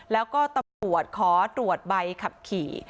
แล้วก็ตำรวจขอตรวจใบขับขี่